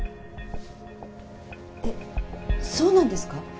えっそうなんですか？